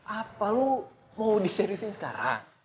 apa lo mau diseriusin sekarang